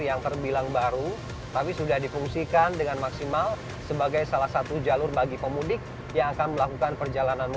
yang bisa berujung pada kecelakaan